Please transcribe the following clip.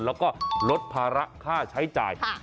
แล้วก็ลดภาระค่าใช้จ่าย